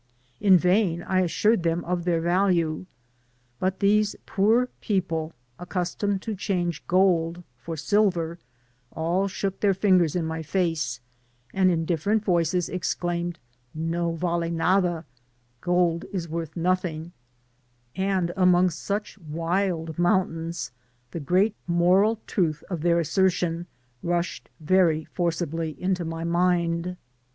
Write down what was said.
In vain I assured them of Digitized byGoogk OOLD MINES OF L.\ CAROLINA. 63 their value; but these poor people (accustomed to change gold for silver) all shook their fore fingers in my face, and in different voices exclaimed, " No vale nada/' (gold is worth nothing,) and among such wild desert mountains, the great moral truth of their assertion rushed very forcibly into my mind.